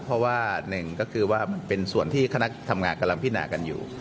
เพราะว่าหนึ่งก็คือว่ามันเป็นส่วนที่คณะทำงานกำลังพินากันอยู่